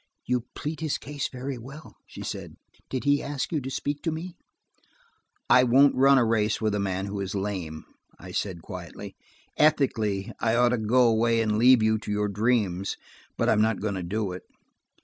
"You plead his case very well," she said. "Did he ask you to speak to me?" "I won't run a race with a man who is lame," I said quietly. "Ethically, I ought to go away and leave you to your dreams, but I am not going to do it.